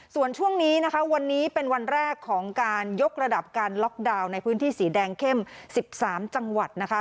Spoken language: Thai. ส่วนช่วงนี้นะคะวันนี้เป็นวันแรกของการยกระดับการล็อกดาวน์ในพื้นที่สีแดงเข้ม๑๓จังหวัดนะคะ